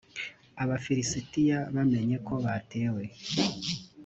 abafilisitiya bamenye ko batewe